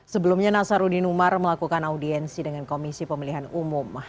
sebelumnya nasaruddin umar melakukan audiensi dengan komisi pemilihan umum